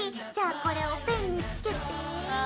じゃこれをペンに付けて。